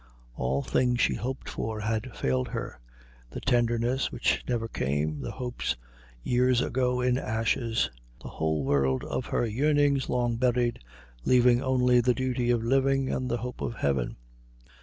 All things she hoped for had failed her; the tenderness which never came, the hopes years ago in ashes, the whole world of her yearnings long buried, leaving only the duty of living and the hope of Heaven.